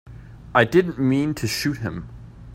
I didn't mean to shoot him.